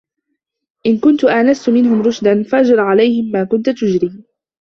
إنْ كُنْت آنَسْتَ مِنْهُمْ رُشْدًا فَأَجْرِ عَلَيْهِمْ مَا كُنْتَ تُجْرِي